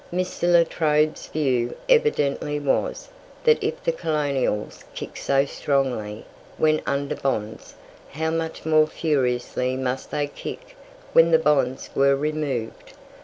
Mr. La Trobe's view evidently was, that if the colonials kicked so strongly when under bonds, how much more furiously must they kick when the bonds were removed.